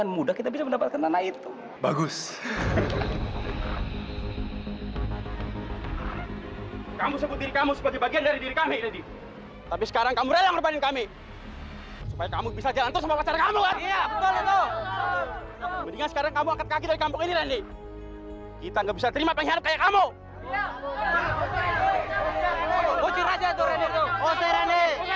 ada sesuatu yang mau saya sampaikan sama tuhan